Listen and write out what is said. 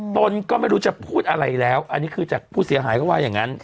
ตนก็ไม่รู้จะพูดอะไรแล้วอันนี้คือจากผู้เสียหายเขาว่าอย่างนั้น